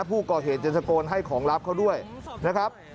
ผู้ก่อเหตุจะตะโกนให้ของลับเขาด้วยนะครับ